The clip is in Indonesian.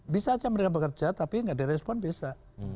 bisa saja mereka bekerja tapi tidak di respon bisa